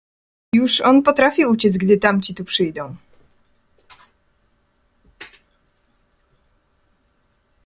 "Już on potrafi uciec, gdy tamci tu przyjdą."